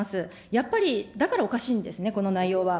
やっぱり、だからおかしいんですね、この内容は。